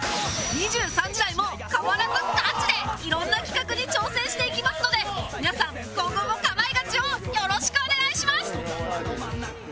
２３時台も変わらずガチでいろんな企画に挑戦していきますので皆さん今後も『かまいガチ』をよろしくお願いします！